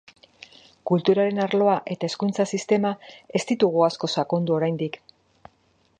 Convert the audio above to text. Kulturaren arloa eta hezkuntza sistema ez ditugu asko sakondu oraindik.